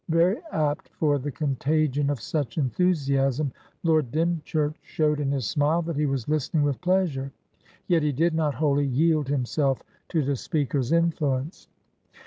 Very apt for the contagion of such enthusiasm, Lord Dymchurch showed in his smile that he was listening with pleasure; yet he did not wholly yield himself to the speaker's influence.